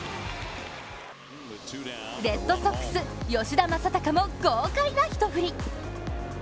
レッドソックス・吉田正尚も豪快な一振り。